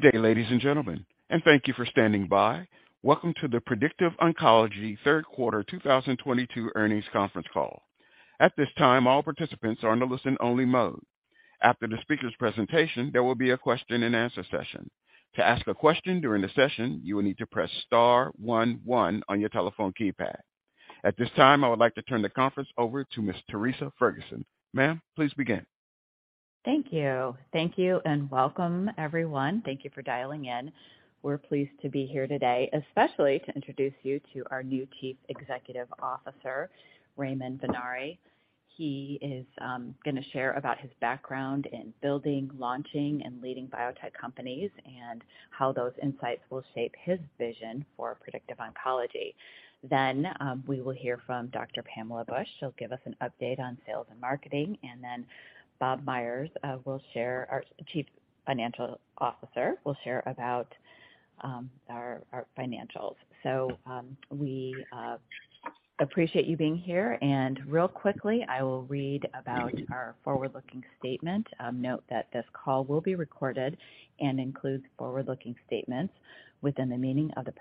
Good day, ladies and gentlemen, and thank you for standing by. Welcome to the Predictive Oncology Third Quarter 2022 Earnings Conference Call. At this time, all participants are in a listen-only mode. After the speaker's presentation, there will be a question-and-answer session. To ask a question during the session, you will need to press star one one on your telephone keypad. At this time, I would like to turn the conference over to Ms. Theresa Ferguson. Ma'am, please begin. Thank you and welcome, everyone. Thank you for dialing in. We're pleased to be here today, especially to introduce you to our new Chief Executive Officer, Raymond Vennare. He is gonna share about his background in building, launching, and leading biotech companies and how those insights will shape his vision for Predictive Oncology. Then we will hear from Dr. Pamela Bush. She'll give us an update on sales and marketing, and then Bob Myers, our Chief Financial Officer, will share about our financials. We appreciate you being here. Real quickly, I will read about our forward-looking statement. Note that this call will be recorded and includes forward-looking statements within the meaning of the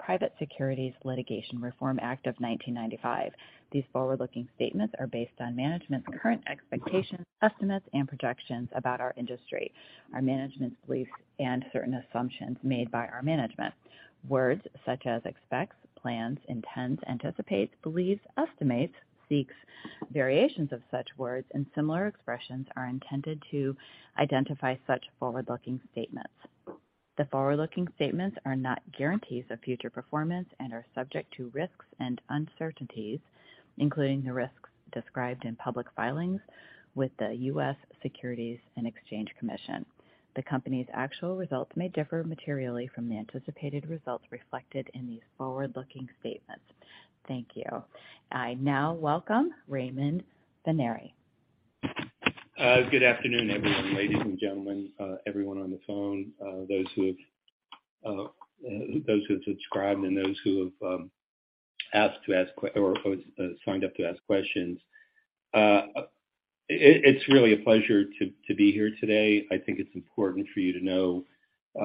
Private Securities Litigation Reform Act of 1995. These forward-looking statements are based on management's current expectations, estimates, and projections about our industry, our management's beliefs, and certain assumptions made by our management. Words such as expects, plans, intends, anticipates, believes, estimates, seeks, variations of such words, and similar expressions are intended to identify such forward-looking statements. The forward-looking statements are not guarantees of future performance and are subject to risks and uncertainties, including the risks described in public filings with the U.S. Securities and Exchange Commission. The company's actual results may differ materially from the anticipated results reflected in these forward-looking statements. Thank you. I now welcome Raymond Vennare. Good afternoon, everyone, ladies and gentlemen, everyone on the phone, those who have subscribed and those who have signed up to ask questions. It's really a pleasure to be here today. I think it's important for you to know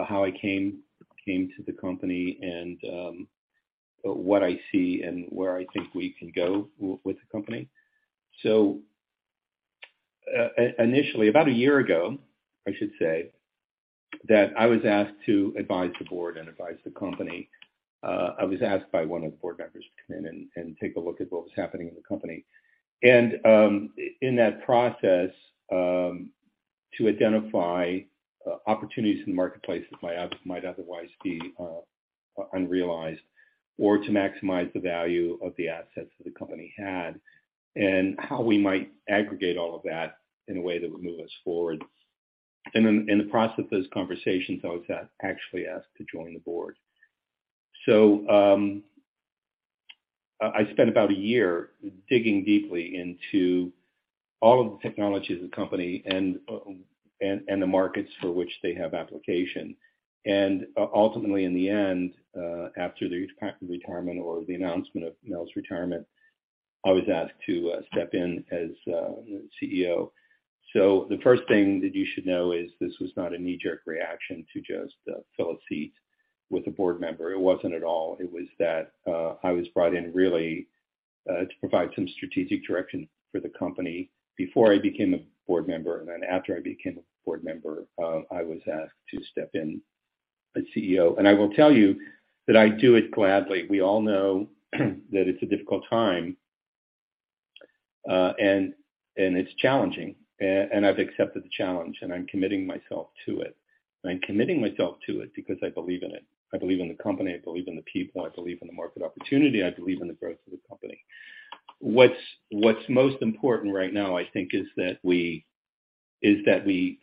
how I came to the company and what I see and where I think we can go with the company. Initially, about a year ago, I should say, that I was asked to advise the board and advise the company. I was asked by one of the board members to come in and take a look at what was happening in the company. In that process, to identify opportunities in the marketplace that might otherwise be unrealized or to maximize the value of the assets that the company had and how we might aggregate all of that in a way that would move us forward. In the process of those conversations, I was actually asked to join the board. I spent about a year digging deeply into all of the technologies of the company and the markets for which they have application. Ultimately, in the end, after the retirement or the announcement of Mel's retirement, I was asked to step in as CEO. The first thing that you should know is this was not a knee-jerk reaction to just fill a seat with a board member. It wasn't at all. It was that I was brought in really to provide some strategic direction for the company before I became a board member. Then after I became a board member, I was asked to step in as CEO. I will tell you that I do it gladly. We all know that it's a difficult time, and it's challenging. I've accepted the challenge, and I'm committing myself to it. I'm committing myself to it because I believe in it. I believe in the company. I believe in the people. I believe in the market opportunity. I believe in the growth of the company. What's most important right now, I think, is that we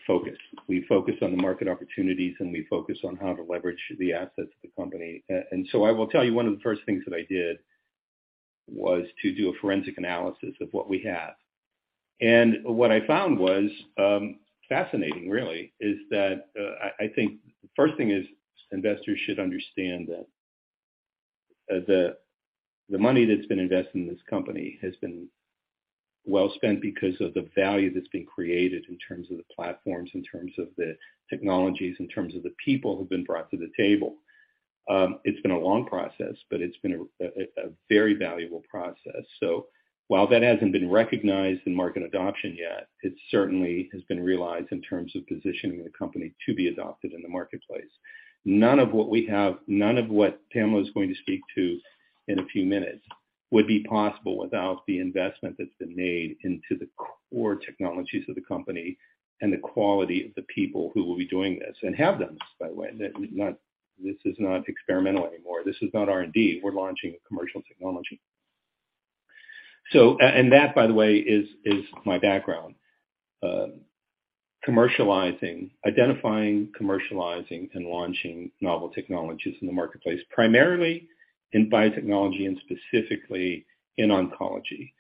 focus. We focus on the market opportunities, and we focus on how to leverage the assets of the company. I will tell you one of the first things that I did was to do a forensic analysis of what we have. What I found was fascinating really, is that I think the first thing is investors should understand that the money that's been invested in this company has been well spent because of the value that's been created in terms of the platforms, in terms of the technologies, in terms of the people who've been brought to the table. It's been a long process, but it's been a very valuable process. While that hasn't been recognized in market adoption yet, it certainly has been realized in terms of positioning the company to be adopted in the marketplace. None of what we have, none of what Pamela is going to speak to in a few minutes would be possible without the investment that's been made into the core technologies of the company and the quality of the people who will be doing this and have done this, by the way. This is not experimental anymore. This is not R&D. We're launching a commercial technology. That, by the way, is my background, commercializing, identifying, commercializing, and launching novel technologies in the marketplace, primarily in biotechnology and specifically in oncology.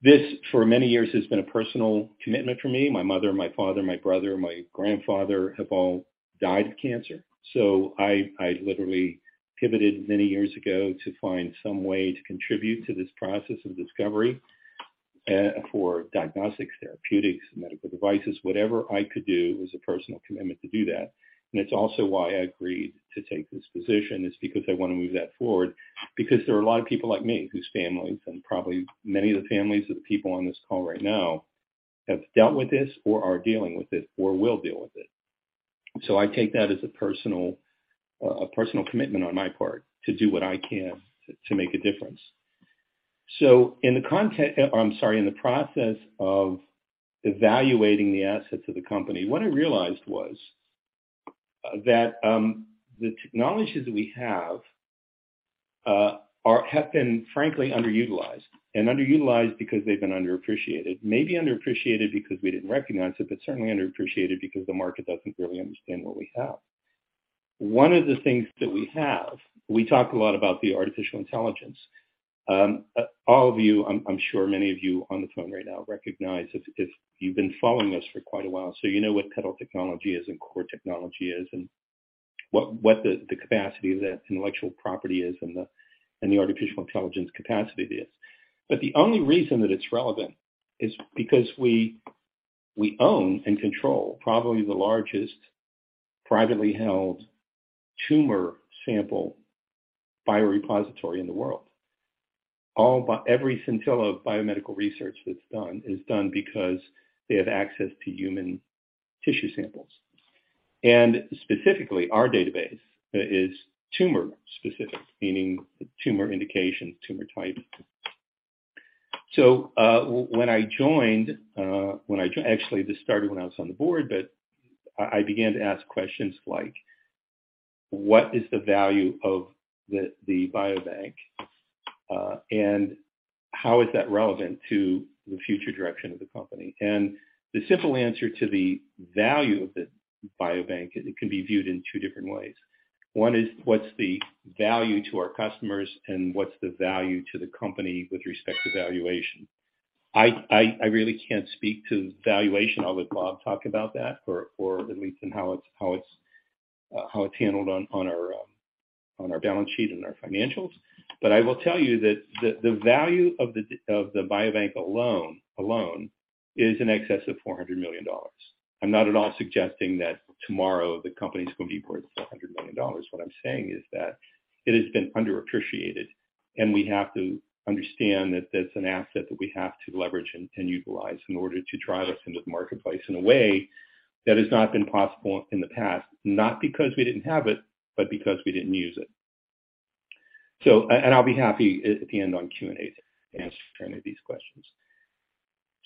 This, for many years, has been a personal commitment for me. My mother, my father, my brother, my grandfather have all died of cancer. I literally pivoted many years ago to find some way to contribute to this process of discovery. For diagnostics, therapeutics, medical devices, whatever I could do, it was a personal commitment to do that. It's also why I agreed to take this position. It's because I wanna move that forward because there are a lot of people like me, whose families, and probably many of the families of the people on this call right now, have dealt with this or are dealing with it or will deal with it. I take that as a personal commitment on my part to do what I can to make a difference. In the process of evaluating the assets of the company, what I realized was that the technologies we have have been frankly underutilized. Underutilized because they've been underappreciated. Maybe underappreciated because we didn't recognize it, but certainly underappreciated because the market doesn't really understand what we have. One of the things that we have, we talk a lot about the artificial intelligence. All of you, I'm sure many of you on the phone right now recognize if you've been following us for quite a while, so you know what PEDAL technology is and core technology is and what the capacity of that intellectual property is and the artificial intelligence capacity is. But the only reason that it's relevant is because we own and control probably the largest privately held tumor sample biorepository in the world. All but every scintilla of biomedical research that's done is done because they have access to human tissue samples. Specifically, our database is tumor specific, meaning tumor indication, tumor type. When I joined, actually this started when I was on the board, but I began to ask questions like, "What is the value of the Biobank, and how is that relevant to the future direction of the company?" The simple answer to the value of the Biobank is it can be viewed in two different ways. One is, what's the value to our customers, and what's the value to the company with respect to valuation? I really can't speak to valuation. I'll let Bob talk about that for at least in how it's handled on our balance sheet and our financials. I will tell you that the value of the biobank alone is in excess of $400 million. I'm not at all suggesting that tomorrow the company's gonna be worth $400 million. What I'm saying is that it has been underappreciated, and we have to understand that that's an asset that we have to leverage and utilize in order to drive us into the marketplace in a way that has not been possible in the past, not because we didn't have it, but because we didn't use it. And I'll be happy at the end on Q&A to answer any of these questions.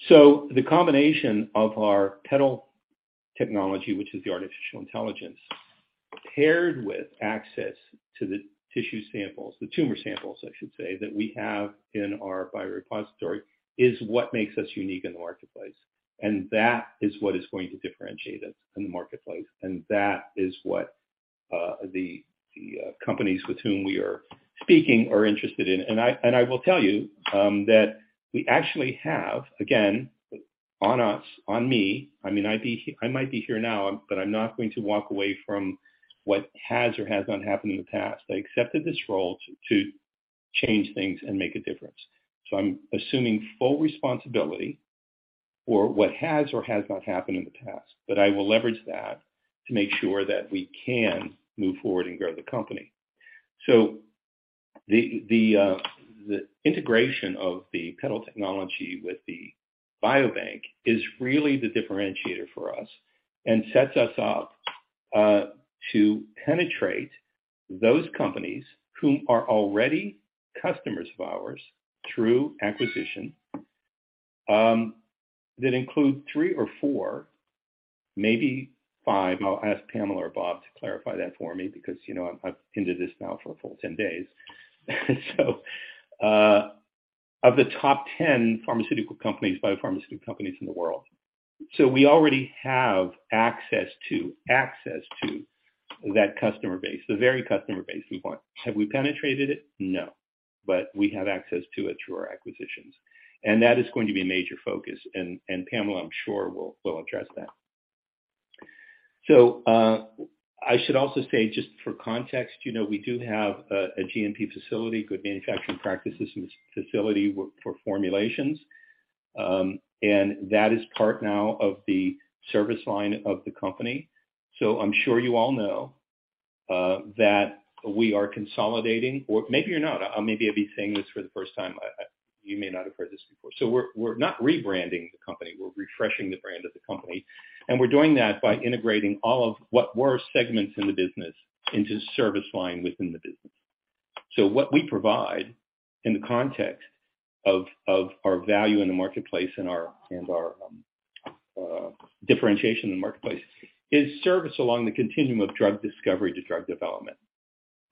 The combination of our PEDAL technology, which is the artificial intelligence, paired with access to the tissue samples, the tumor samples I should say, that we have in our biorepository, is what makes us unique in the marketplace. That is what is going to differentiate us in the marketplace, and that is what the companies with whom we are speaking are interested in. I will tell you that we actually have, again, on us, on me, I mean, I might be here now, but I'm not going to walk away from what has or has not happened in the past. I accepted this role to change things and make a difference. I'm assuming full responsibility for what has or has not happened in the past. I will leverage that to make sure that we can move forward and grow the company. The integration of the PEDAL technology with the biobank is really the differentiator for us and sets us up to penetrate those companies which are already customers of ours through acquisition that include three or four, maybe five. I'll ask Pamela or Bob to clarify that for me because I've been to this now for a full 10 days. Of the top 10 pharmaceutical companies, biopharmaceutical companies in the world. We already have access to that customer base, the very customer base we want. Have we penetrated it? No. We have access to it through our acquisitions. That is going to be a major focus and Pamela, I'm sure, will address that. I should also say just for context, you know, we do have a GMP facility, good manufacturing practices facility for formulations. That is part now of the service line of the company. I'm sure you all know that we are consolidating. Or maybe you're not. Maybe I'd be saying this for the first time. You may not have heard this before. We're not rebranding the company. We're refreshing the brand of the company. We're doing that by integrating all of what were segments in the business into service line within the business. What we provide in the context of our value in the marketplace and our differentiation in the marketplace is service along the continuum of drug discovery to drug development.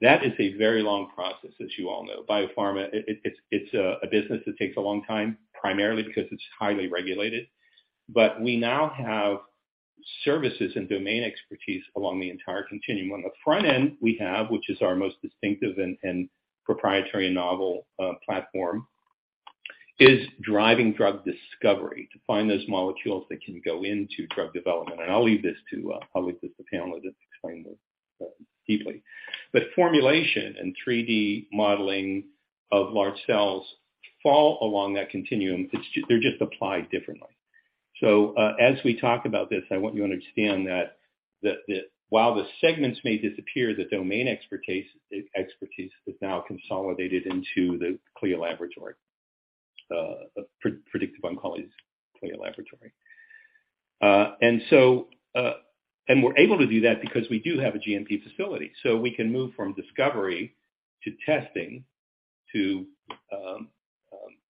That is a very long process, as you all know. Biopharma, it's a business that takes a long time, primarily because it's highly regulated. We now have services and domain expertise along the entire continuum. On the front end, we have, which is our most distinctive and proprietary and novel platform, is driving drug discovery to find those molecules that can go into drug development. I'll leave this to Pamela to explain this deeply. Formulation and 3D modeling of large cells fall along that continuum. They're just applied differently. As we talk about this, I want you to understand that while the segments may disappear, the domain expertise is now consolidated into the CLIA laboratory of Predictive Oncology's CLIA laboratory. We're able to do that because we do have a GMP facility. We can move from discovery to testing to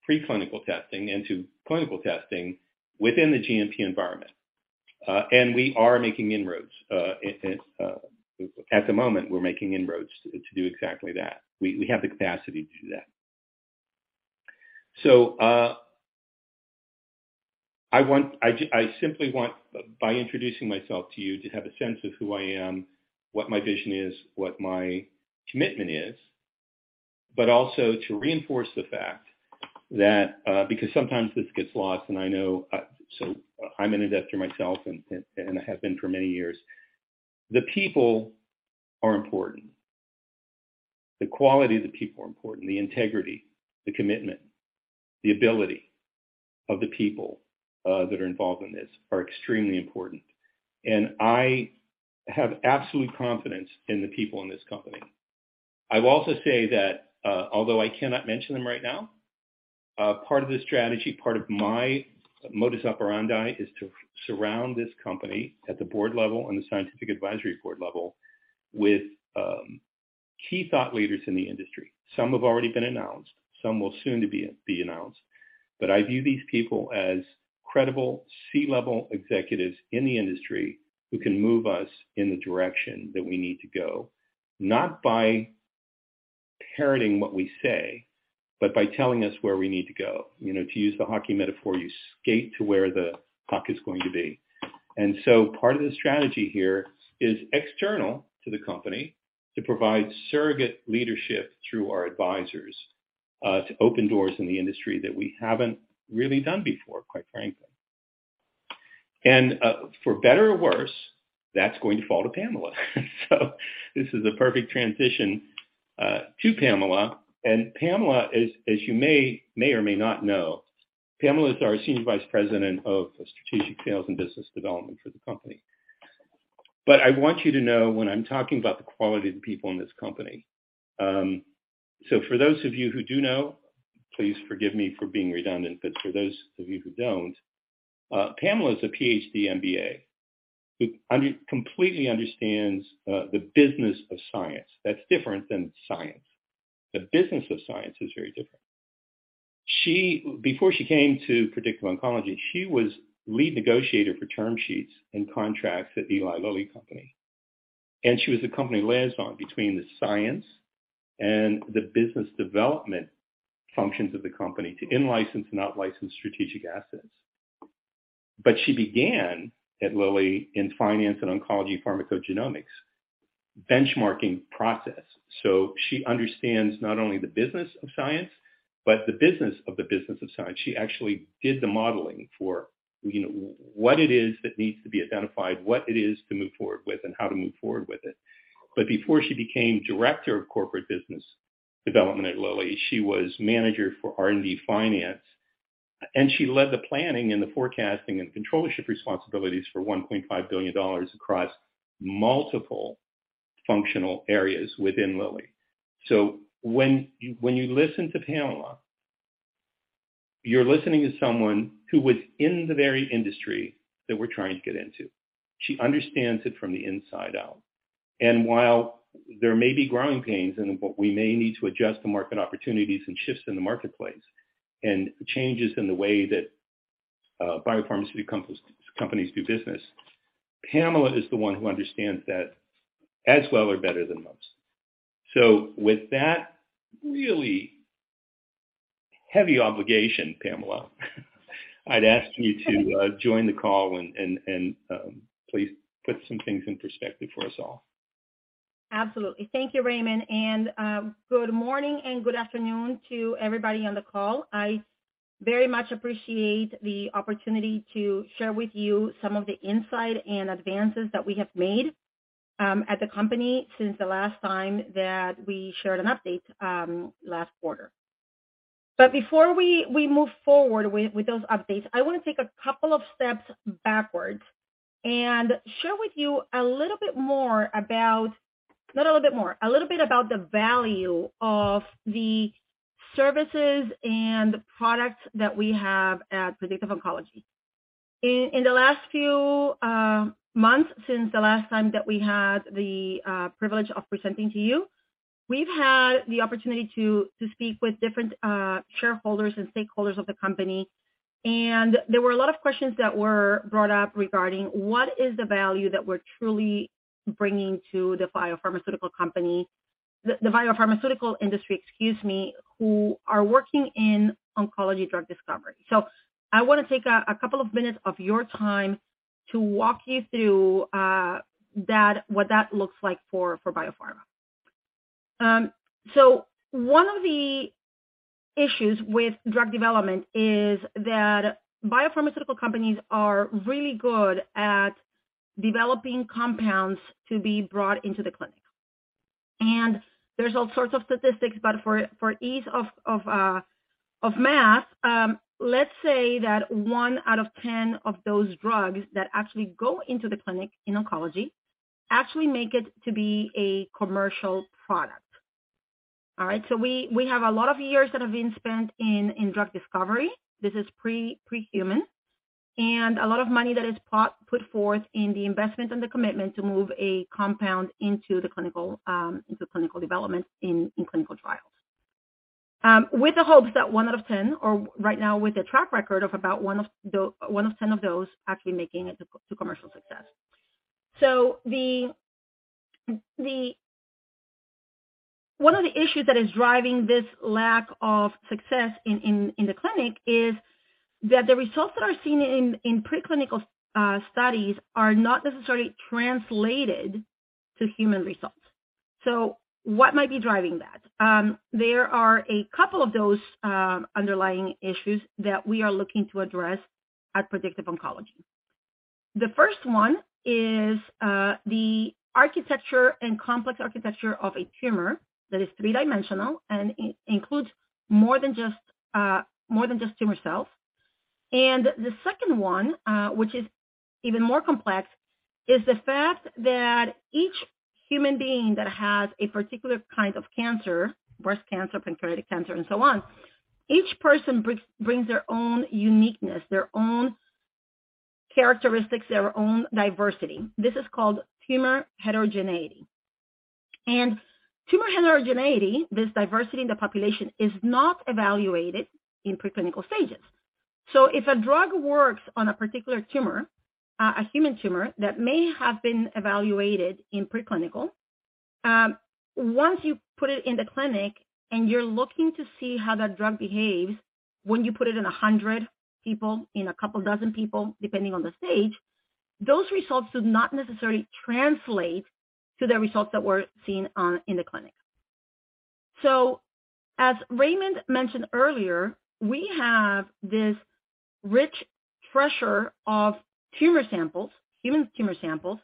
pre-clinical testing and to clinical testing within the GMP environment. We are making inroads. At the moment, we're making inroads to do exactly that. We have the capacity to do that. I simply want, by introducing myself to you, to have a sense of who I am, what my vision is, what my commitment is, but also to reinforce the fact that, because sometimes this gets lost, and I know, so I'm an investor myself and I have been for many years. The people are important. The quality of the people are important, the integrity, the commitment, the ability of the people that are involved in this are extremely important. I have absolute confidence in the people in this company. I will also say that, although I cannot mention them right now, part of the strategy, part of my modus operandi is to surround this company at the board level and the scientific advisory board level with key thought leaders in the industry. Some have already been announced, some will soon to be announced. I view these people as credible C-level executives in the industry who can move us in the direction that we need to go, not by parroting what we say, but by telling us where we need to go. You know, to use the hockey metaphor, you skate to where the puck is going to be. Part of the strategy here is external to the company to provide surrogate leadership through our advisors to open doors in the industry that we haven't really done before, quite frankly. For better or worse, that's going to fall to Pamela. This is a perfect transition to Pamela. Pamela, as you may or may not know, Pamela is our Senior Vice President of Strategic Sales and Business Development for the company. I want you to know when I'm talking about the quality of the people in this company, for those of you who do know, please forgive me for being redundant, but for those of you who don't, Pamela is a Ph.D., MBA who completely understands the business of science. That's different than science. The business of science is very different. Before she came to Predictive Oncology, she was lead negotiator for term sheets and contracts at Eli Lilly and Company, and she was the company liaison between the science and the business development functions of the company to in-license and out-license strategic assets. She began at Lilly in finance and oncology pharmacogenomics benchmarking process. She understands not only the business of science, but the business of the business of science. She actually did the modeling for, you know, what it is that needs to be identified, what it is to move forward with, and how to move forward with it. Before she became Director of Corporate Business Development at Lilly, she was manager for R&D finance, and she led the planning and the forecasting and controllership responsibilities for $1.5 billion across multiple functional areas within Lilly. When you listen to Pamela, you're listening to someone who was in the very industry that we're trying to get into. She understands it from the inside out. While there may be growing pains and what we may need to adjust the market opportunities and shifts in the marketplace and changes in the way that biopharmaceutical companies do business, Pamela is the one who understands that as well or better than most. With that really heavy obligation, Pamela, I'd ask you to join the call and please put some things in perspective for us all. Absolutely. Thank you, Raymond. Good morning and good afternoon to everybody on the call. I very much appreciate the opportunity to share with you some of the insight and advances that we have made at the company since the last time that we shared an update last quarter. Before we move forward with those updates, I wanna take a couple of steps backwards and share with you a little bit about the value of the services and the products that we have at Predictive Oncology. In the last few months since the last time that we had the privilege of presenting to you, we've had the opportunity to speak with different shareholders and stakeholders of the company, and there were a lot of questions that were brought up regarding what is the value that we're truly bringing to the biopharmaceutical company, the biopharmaceutical industry, excuse me, who are working in oncology drug discovery. I wanna take a couple of minutes of your time to walk you through that, what that looks like for Biopharma. One of the issues with drug development is that biopharmaceutical companies are really good at developing compounds to be brought into the clinic. There's all sorts of statistics, but for ease of math, let's say that 1 out of 10 of those drugs that actually go into the clinic in oncology actually make it to be a commercial product. All right? We have a lot of years that have been spent in drug discovery. This is pre-human, and a lot of money that is put forth in the investment and the commitment to move a compound into the clinical into clinical development in clinical trials. With the hopes that one out of 10, or right now with a track record of about one of 10 of those actually making it to commercial success. One of the issues that is driving this lack of success in the clinic is that the results that are seen in preclinical studies are not necessarily translated to human results. What might be driving that? There are a couple of those underlying issues that we are looking to address at Predictive Oncology. The first one is the architecture and complex architecture of a tumor that is three-dimensional and includes more than just tumor cells. The second one, which is even more complex, is the fact that each human being that has a particular kind of cancer, breast cancer, pancreatic cancer and so on, each person brings their own uniqueness, their own characteristics, their own diversity. This is called tumor heterogeneity. Tumor heterogeneity, this diversity in the population, is not evaluated in preclinical stages. If a drug works on a particular tumor, a human tumor that may have been evaluated in preclinical, once you put it in the clinic and you're looking to see how that drug behaves when you put it in 100 people, in a couple dozen people, depending on the stage, those results do not necessarily translate to the results that were seen in the clinic. As Raymond mentioned earlier, we have this rich treasure of tumor samples, human tumor samples,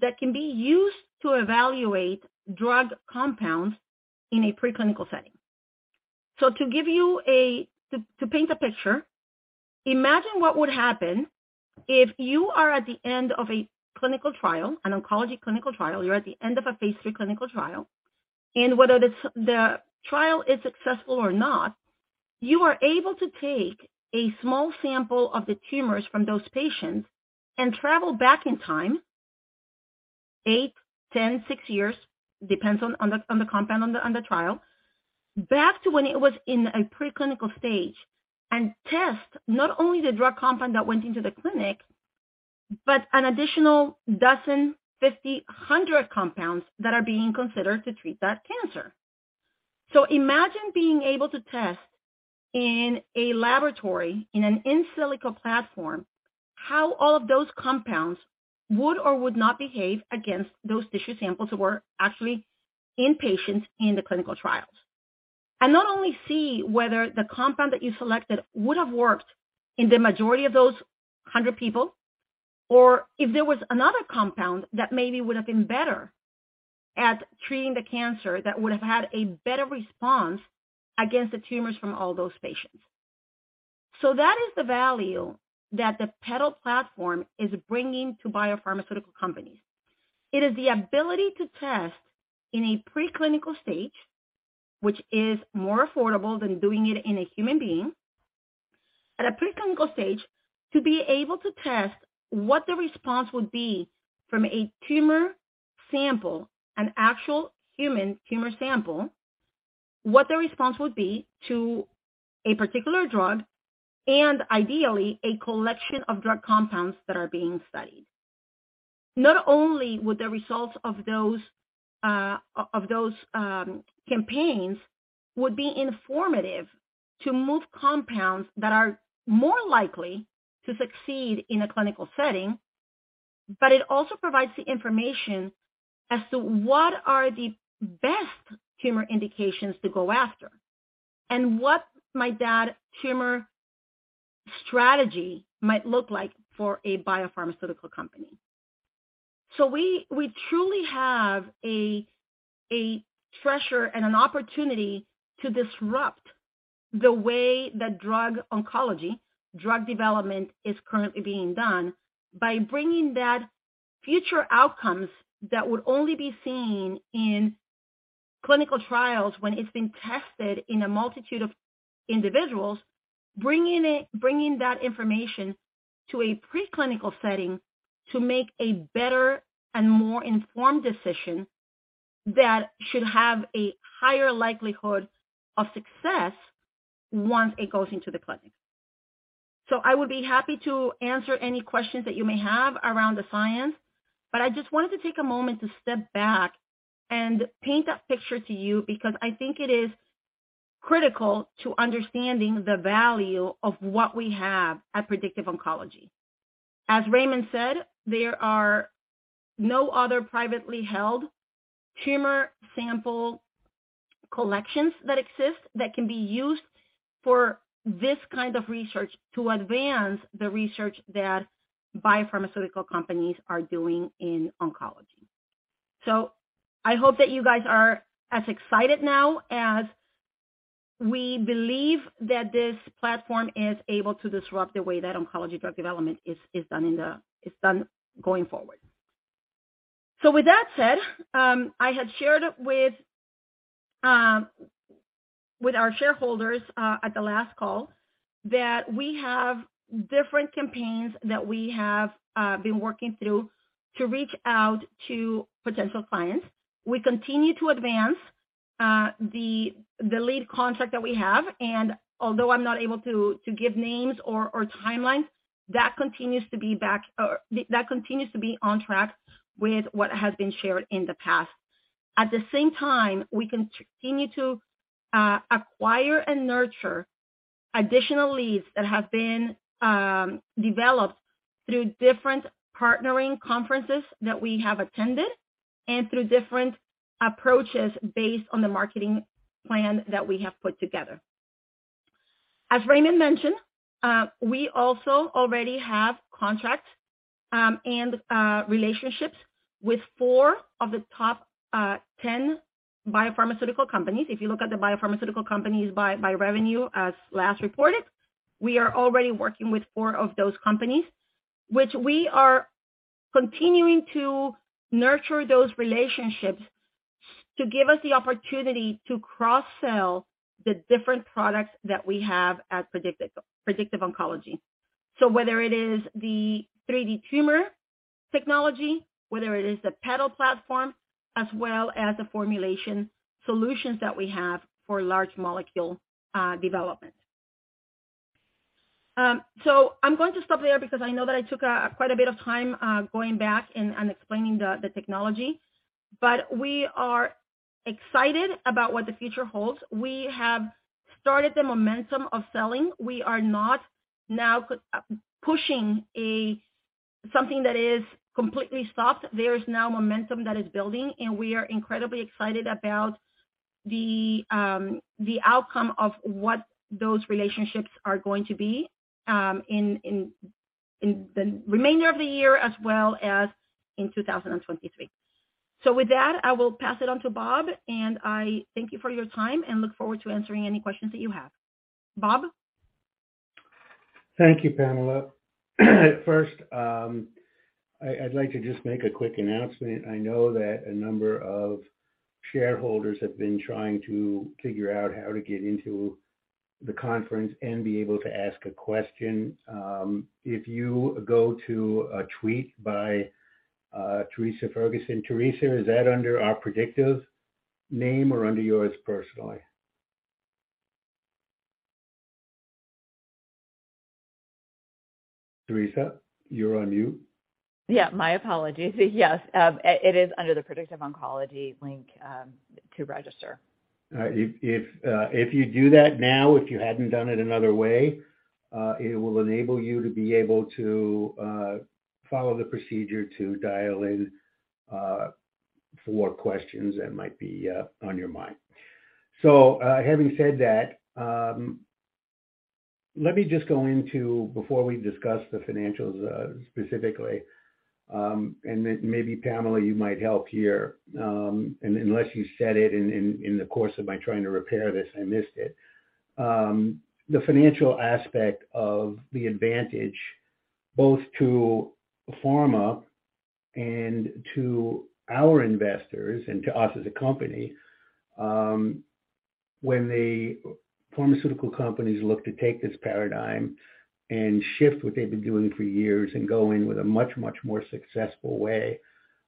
that can be used to evaluate drug compounds in a preclinical setting. To paint a picture, imagine what would happen if you are at the end of a clinical trial, an oncology clinical trial. You're at the end of a phase III clinical trial, and whether the trial is successful or not, you are able to take a small sample of the tumors from those patients and travel back in time, eight, 10, six years, depending on the compound, on the trial, back to when it was in a preclinical stage and test not only the drug compound that went into the clinic, but an additional 12, 50, 100 compounds that are being considered to treat that cancer. Imagine being able to test in a laboratory, in an in silico platform, how all of those compounds would or would not behave against those tissue samples that were actually in patients in the clinical trials. Not only see whether the compound that you selected would have worked in the majority of those 100 people, or if there was another compound that maybe would have been better at treating the cancer that would have had a better response against the tumors from all those patients. That is the value that the PEDAL platform is bringing to biopharmaceutical companies. It is the ability to test in a preclinical stage, which is more affordable than doing it in a human being. At a preclinical stage, to be able to test what the response would be from a tumor sample, an actual human tumor sample, what the response would be to a particular drug, and ideally, a collection of drug compounds that are being studied. Not only would the results of those campaigns would be informative to move compounds that are more likely to succeed in a clinical setting, but it also provides the information as to what are the best tumor indications to go after and what that tumor strategy might look like for a biopharmaceutical company. We truly have a treasure and an opportunity to disrupt the way that oncology drug development is currently being done by bringing that future outcomes that would only be seen in clinical trials when it's been tested in a multitude of individuals, bringing that information to a preclinical setting to make a better and more informed decision that should have a higher likelihood of success once it goes into the clinic. I would be happy to answer any questions that you may have around the science, but I just wanted to take a moment to step back and paint that picture to you because I think it is critical to understanding the value of what we have at Predictive Oncology. As Raymond said, there are no other privately held tumor sample collections that exist that can be used for this kind of research to advance the research that biopharmaceutical companies are doing in oncology. I hope that you guys are as excited now as we believe that this platform is able to disrupt the way that oncology drug development is done going forward. With that said, I had shared with our shareholders at the last call that we have different campaigns that we have been working through to reach out to potential clients. We continue to advance the lead contract that we have. Although I'm not able to give names or timelines, that continues to be on track with what has been shared in the past. At the same time, we continue to acquire and nurture additional leads that have been developed through different partnering conferences that we have attended and through different approaches based on the marketing plan that we have put together. As Raymond mentioned, we also already have contracts and relationships with four of the top 10 biopharmaceutical companies. If you look at the biopharmaceutical companies by revenue as last reported, we are already working with four of those companies, which we are continuing to nurture those relationships to give us the opportunity to cross-sell the different products that we have at Predictive Oncology. Whether it is the 3D tumor technology, whether it is the PEDAL platform, as well as the formulation solutions that we have for large molecule development. I'm going to stop there because I know that I took quite a bit of time going back and explaining the technology. We are excited about what the future holds. We have started the momentum of selling. We are not now pushing something that is completely soft. There is now momentum that is building, and we are incredibly excited about the outcome of what those relationships are going to be, in the remainder of the year as well as in 2023. With that, I will pass it on to Bob, and I thank you for your time and look forward to answering any questions that you have. Bob? Thank you, Pamela. First, I'd like to just make a quick announcement. I know that a number of shareholders have been trying to figure out how to get into the conference and be able to ask a question. If you go to a tweet by Theresa Ferguson. Theresa, is that under our Predictive name or under yours personally? Theresa, you're on mute. Yeah. My apologies. Yes, it is under the Predictive Oncology link to register. If you do that now, if you hadn't done it another way, it will enable you to be able to follow the procedure to dial in for questions that might be on your mind. Having said that, let me just go into before we discuss the financials, specifically, and then maybe Pamela, you might help here, unless you said it in the course of my trying to repair this, I missed it. The financial aspect of the advantage both to pharma and to our investors and to us as a company, when the pharmaceutical companies look to take this paradigm and shift what they've been doing for years and go in with a much more successful way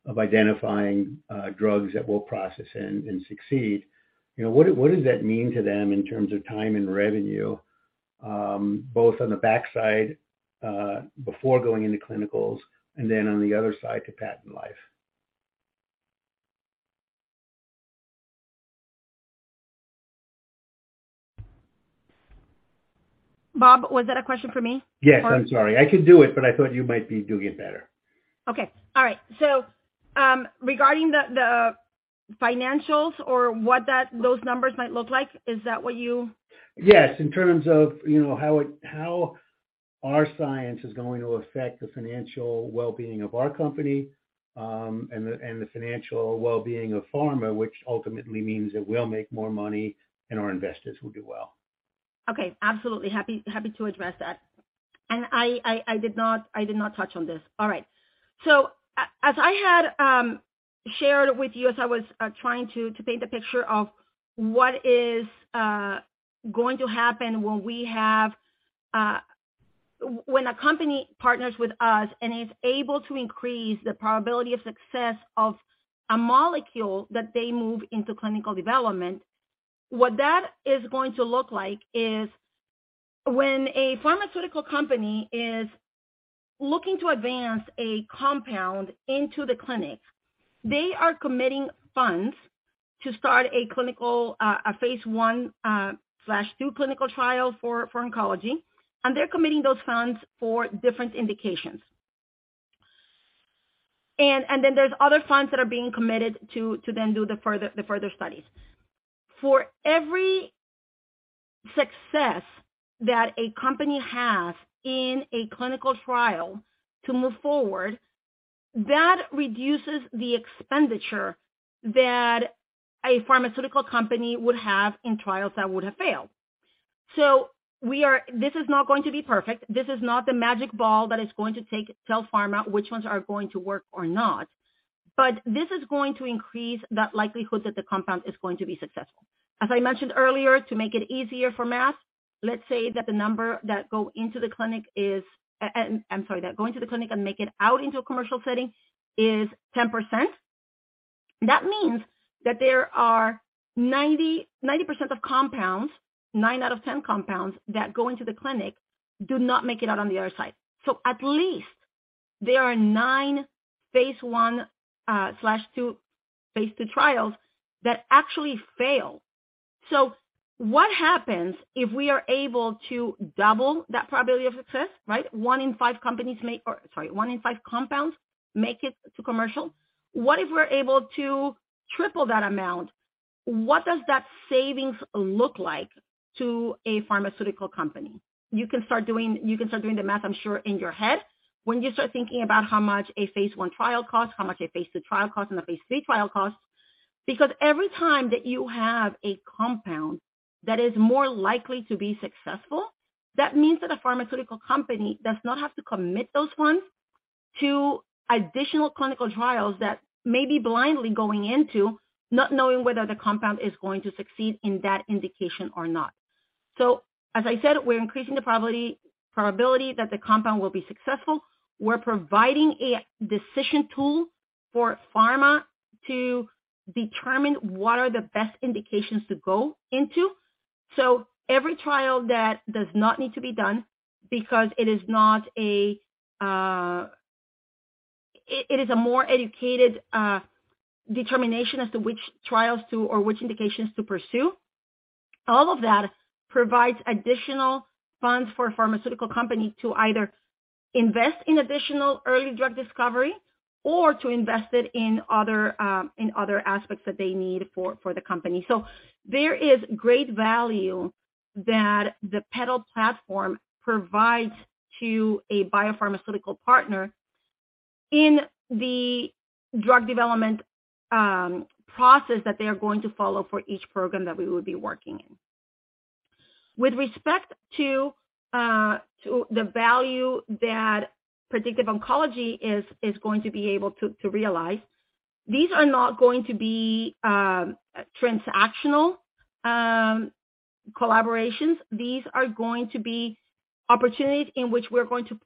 of identifying drugs that will progress and succeed. You know, what does that mean to them in terms of time and revenue, both on the backside, before going into clinicals and then on the other side to patent life? Bob, was that a question for me? Yes. I'm sorry. I could do it, but I thought you might be doing it better. Okay. All right. Regarding the financials or what those numbers might look like, is that what you? Yes. In terms of, you know, how our science is going to affect the financial well-being of our company, and the financial well-being of pharma, which ultimately means that we'll make more money and our investors will do well. Okay. Absolutely. Happy to address that. I did not touch on this. All right. As I had shared with you as I was trying to paint a picture of what is going to happen when we have when a company partners with us and is able to increase the probability of success of a molecule that they move into clinical development, what that is going to look like is when a pharmaceutical company is looking to advance a compound into the clinic, they are committing funds to start a clinical phase I/II clinical trial for oncology, and they're committing those funds for different indications. Then there's other funds that are being committed to then do the further studies. For every success that a company has in a clinical trial to move forward, that reduces the expenditure that a pharmaceutical company would have in trials that would have failed. This is not going to be perfect. This is not the magic ball that is going to tell pharma which ones are going to work or not. This is going to increase that likelihood that the compound is going to be successful. As I mentioned earlier, to make it easier for math, let's say that the number that go into the clinic and make it out into a commercial setting is 10%. That means that there are 90% of compounds, nine out of ten compounds that go into the clinic do not make it out on the other side. At least there are nine phase I/II trials that actually fail. What happens if we are able to double that probability of success, right? One in five compounds make it to commercial. What if we're able to triple that amount? What does that savings look like to a pharmaceutical company? You can start doing the math, I'm sure, in your head when you start thinking about how much a phase I trial costs, how much a phase II trial costs, and a phase III trial costs. Because every time that you have a compound that is more likely to be successful, that means that a pharmaceutical company does not have to commit those funds to additional clinical trials that may be blindly going into not knowing whether the compound is going to succeed in that indication or not. As I said, we're increasing the probability that the compound will be successful. We're providing a decision tool for pharma to determine what are the best indications to go into. Every trial that does not need to be done because It is a more educated determination as to which trials to, or which indications to pursue. All of that provides additional funds for a pharmaceutical company to either invest in additional early drug discovery or to invest it in other, in other aspects that they need for the company. There is great value that the PEDAL platform provides to a biopharmaceutical partner in the drug development process that they are going to follow for each program that we will be working in. With respect to the value that Predictive Oncology is going to be able to realize, these are not going to be transactional collaborations. These are going to be opportunities in which we're going to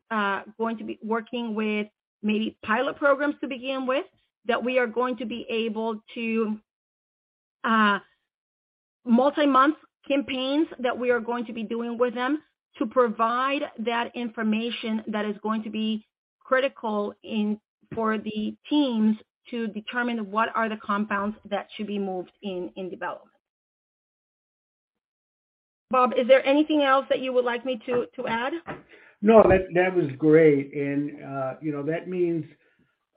be working with maybe pilot programs to begin with, that we are going to be able to multi-month campaigns that we are going to be doing with them to provide that information that is going to be critical in for the teams to determine what are the compounds that should be moved in development. Bob, is there anything else that you would like me to add? No, that was great. You know, that means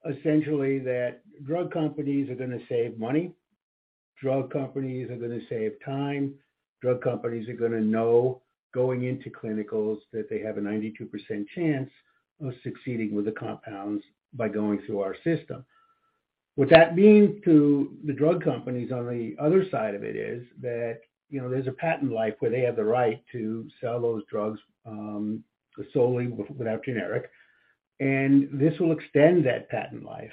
essentially that drug companies are gonna save money, drug companies are gonna save time, drug companies are gonna know going into clinicals that they have a 92% chance of succeeding with the compounds by going through our system. What that means to the drug companies on the other side of it is that, you know, there's a patent life where they have the right to sell those drugs solely without generic. This will extend that patent life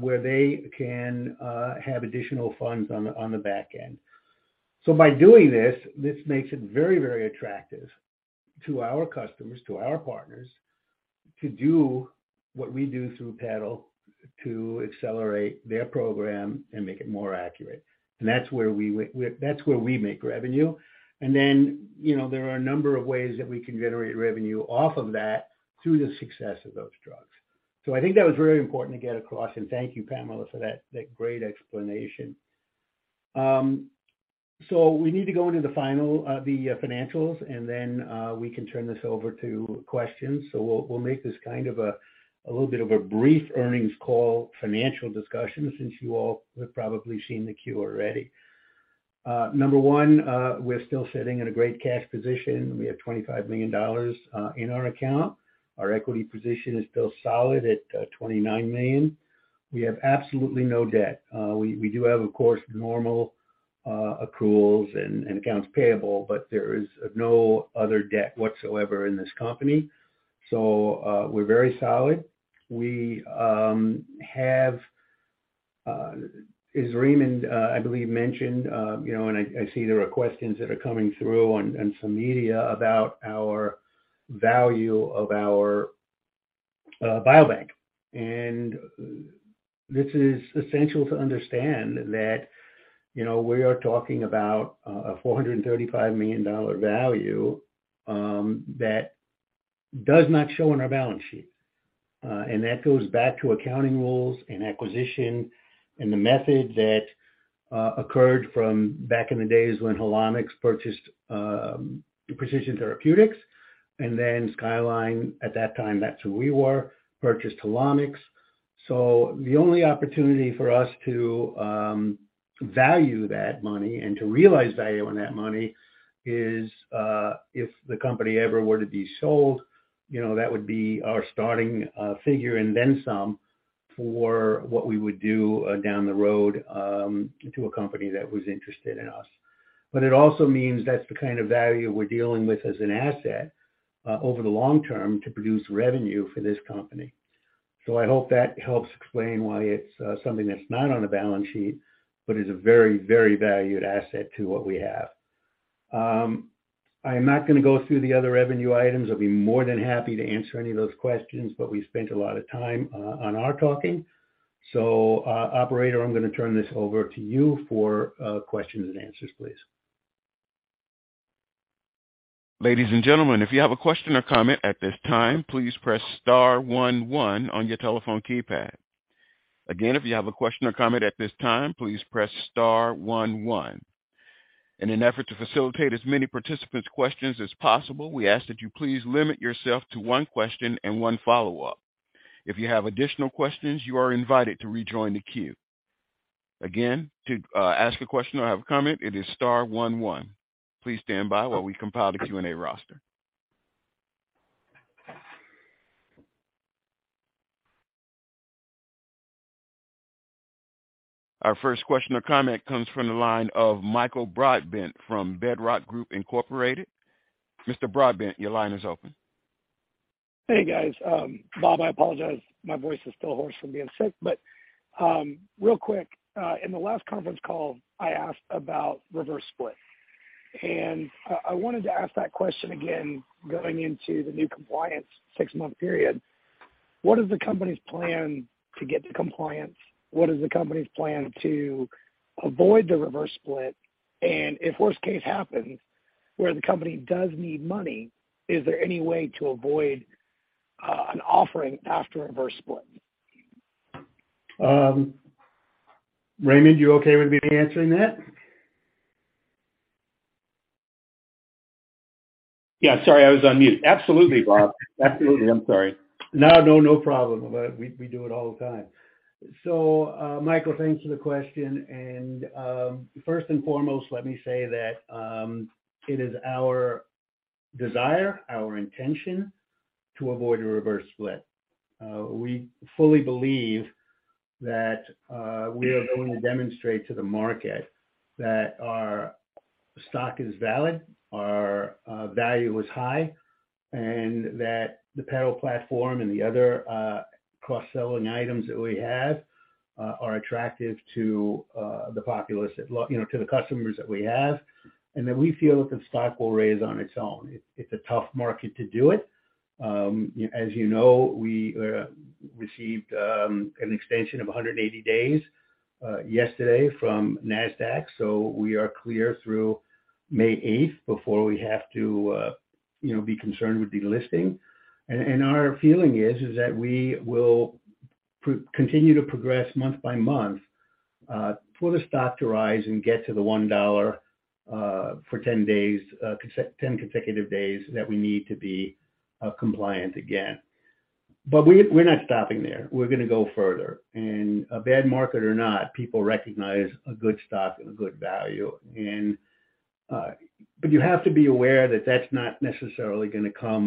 where they can have additional funds on the back end. By doing this makes it very, very attractive to our customers, to our partners, to do what we do through PEDAL to accelerate their program and make it more accurate. That's where we make revenue. You know, there are a number of ways that we can generate revenue off of that through the success of those drugs. I think that was really important to get across, and thank you, Pamela, for that great explanation. We need to go into the final financials, and then we can turn this over to questions. We'll make this kind of a little bit of a brief earnings call financial discussion, since you all have probably seen the Q already. Number one, we're still sitting in a great cash position. We have $25 million in our account. Our equity position is still solid at $29 million. We have absolutely no debt. We do have, of course, normal accruals and accounts payable, but there is no other debt whatsoever in this company. We're very solid. We have, as Raymond, I believe mentioned, you know, and I see there are questions that are coming through on, and some media about our value of our biobank. This is essential to understand that, you know, we are talking about a $435 million value that does not show on our balance sheet. That goes back to accounting rules and acquisition and the method that occurred from back in the days when Helomics purchased Precision Therapeutics. Then Skyline, at that time, that's who we were, purchased Helomics. The only opportunity for us to value that money and to realize value on that money is if the company ever were to be sold, you know, that would be our starting figure and then some for what we would do down the road to a company that was interested in us. It also means that's the kind of value we're dealing with as an asset over the long term to produce revenue for this company. I hope that helps explain why it's something that's not on a balance sheet, but is a very, very valued asset to what we have. I'm not gonna go through the other revenue items. I'll be more than happy to answer any of those questions, but we spent a lot of time on our talking. Operator, I'm gonna turn this over to you for questions and answers, please. Ladies and gentlemen, if you have a question or comment at this time, please press star one one on your telephone keypad. Again, if you have a question or comment at this time, please press star one one. In an effort to facilitate as many participants' questions as possible, we ask that you please limit yourself to one question and one follow-up. If you have additional questions, you are invited to rejoin the queue. Again, to ask a question or have a comment, it is star one one. Please stand by while we compile the Q&A roster. Our first question or comment comes from the line of Michael Broadbent from Bedrock Group Inc. Mr. Broadbent, your line is open. Hey, guys. Bob, I apologize my voice is still hoarse from being sick. Real quick, in the last conference call, I asked about reverse split. I wanted to ask that question again going into the new compliance six-month period. What is the company's plan to get to compliance? What is the company's plan to avoid the reverse split? If worst case happens where the company does need money, is there any way to avoid an offering after a reverse split? Raymond, you okay with me answering that? Yeah, sorry, I was on mute. Absolutely, Bob. Absolutely. I'm sorry. No problem. We do it all the time. Michael, thanks for the question. First and foremost, let me say that it is our desire, our intention to avoid a reverse split. We fully believe that we are going to demonstrate to the market that our stock is valid, our value is high, and that the pedal platform and the other cross-selling items that we have are attractive to the populace you know, to the customers that we have, and that we feel that the stock will raise on its own. It's a tough market to do it. As you know, we received an extension of 180 days yesterday from Nasdaq, so we are clear through May eighth before we have to, you know, be concerned with delisting. Our feeling is that we will continue to progress month by month for the stock to rise and get to the $1 for 10 days, ten consecutive days that we need to be compliant again. We’re not stopping there. We’re gonna go further. A bad market or not, people recognize a good stock and a good value. You have to be aware that that’s not necessarily gonna come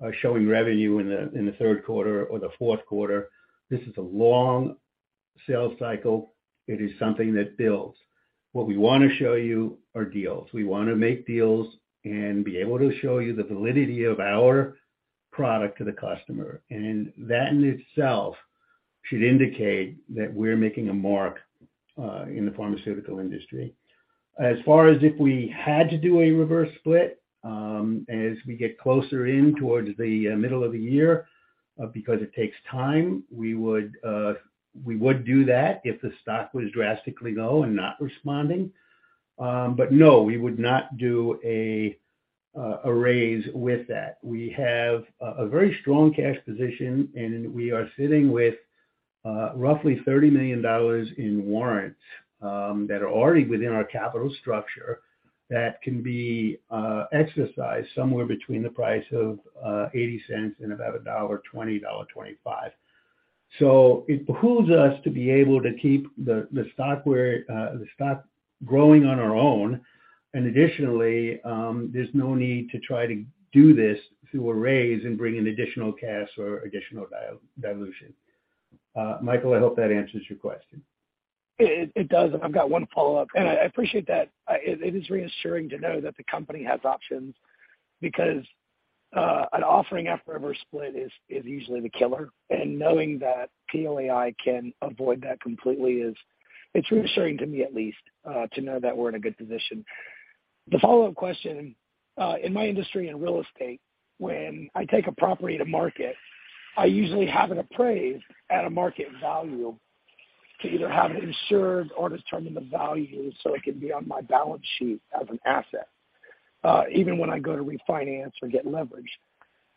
by showing revenue in the third quarter or the fourth quarter. This is a long sales cycle. It is something that builds. What we wanna show you are deals. We wanna make deals and be able to show you the validity of our product to the customer. That in itself should indicate that we're making a mark in the pharmaceutical industry. As far as if we had to do a reverse split, as we get closer in towards the middle of the year, because it takes time, we would do that if the stock was drastically low and not responding. No, we would not do a raise with that. We have a very strong cash position, and we are sitting with roughly $30 million in warrants that are already within our capital structure that can be exercised somewhere between the price of $0.80 and about a $1.20–$1.25. It behooves us to be able to keep the stock growing on our own. Additionally, there's no need to try to do this through a raise and bring in additional cash or additional dilution. Michael, I hope that answers your question. It does. I've got one follow-up, and I appreciate that. It is reassuring to know that the company has options because an offering after a reverse split is usually the killer. Knowing that POAI can avoid that completely is, it's reassuring to me at least to know that we're in a good position. The follow-up question, in my industry in real estate, when I take a property to market, I usually have it appraised at a market value. To either have it insured or determine the value so it can be on my balance sheet as an asset, even when I go to refinance or get leverage.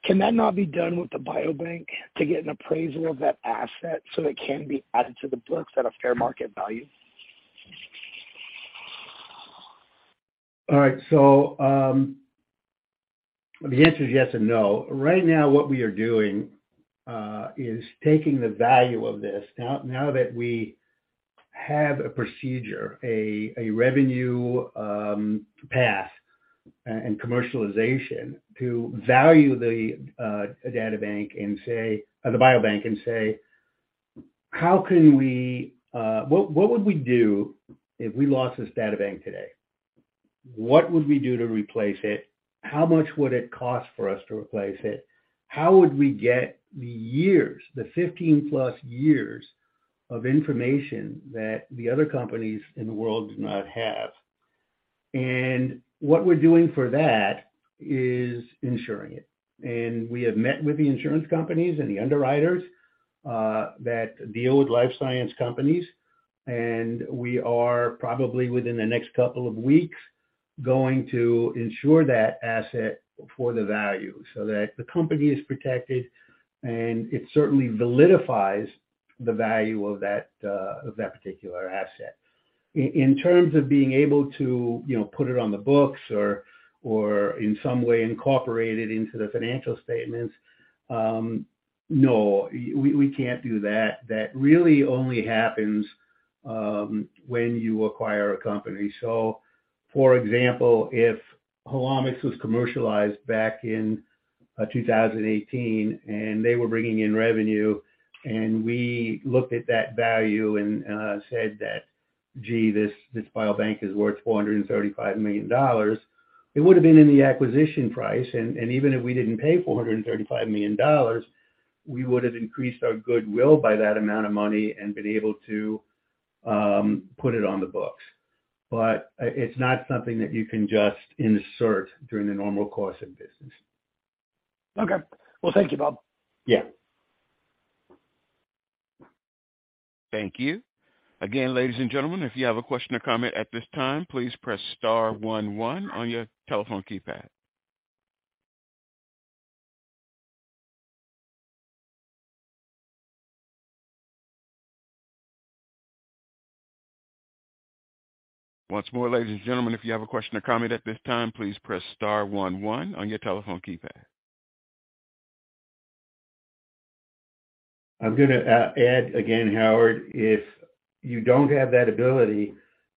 Can that not be done with the biobank to get an appraisal of that asset so it can be added to the books at a fair market value? All right. The answer is yes and no. Right now, what we are doing is taking the value of this. Now that we have a procedure, a revenue path and commercialization to value the biobank and say, how can we? What would we do if we lost this biobank today? What would we do to replace it? How much would it cost for us to replace it? How would we get the years, the 15+ years of information that the other companies in the world do not have? What we're doing for that is insuring it. We have met with the insurance companies and the underwriters that deal with life science companies, and we are probably within the next couple of weeks going to insure that asset for the value so that the company is protected, and it certainly validates the value of that particular asset. In terms of being able to, you know, put it on the books or in some way incorporate it into the financial statements, no, we can't do that. That really only happens when you acquire a company. For example, if Helomics was commercialized back in 2018 and they were bringing in revenue and we looked at that value and said that, "Gee, this biobank is worth $435 million," it would have been in the acquisition price. Even if we didn't pay $435 million, we would have increased our goodwill by that amount of money and been able to put it on the books. It's not something that you can just insert during the normal course of business. Okay. Well, thank you, Bob. Yeah. Thank you. Again, ladies and gentlemen, if you have a question or comment at this time, please press star one one on your telephone keypad. Once more, ladies and gentlemen, if you have a question or comment at this time, please press star one one on your telephone keypad. I'm gonna add again, Howard, if you don't have that ability,